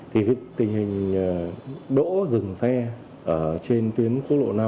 thì tình hình đỗ dừng xe ở trên tuyến quốc lộ năm